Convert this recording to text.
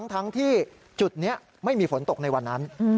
ทั้งที่จุดนี้ไม่มีฝนตกในวันนั้น